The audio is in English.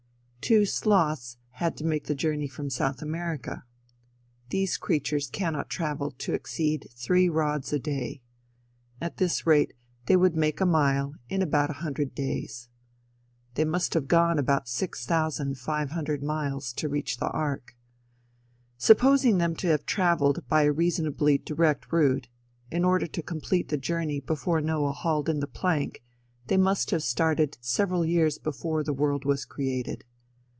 Two sloths had to make the journey from South America. These creatures cannot travel to exceed three rods a day. At this rate, they would make a mile in about a hundred days. They must have gone about six thousand five hundred miles, to reach the ark. Supposing them to have traveled by a reasonably direct route, in order to complete the journey before Noah hauled in the plank, they must have started several years before the world was created.